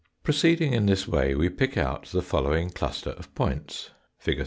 Proceeding in this way, we pick out the following cluster of points, fig.